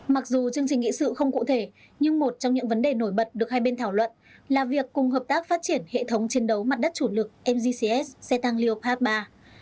mặc dù chương trình nghị sự không cụ thể nhưng một trong những vấn đề nổi bật được hai bên thảo luận là việc cùng hợp tác phát triển hệ thống chiến đấu mặt đất chủ lực mgcs cetan leopard iii